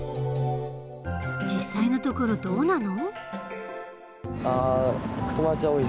実際のところどうなの？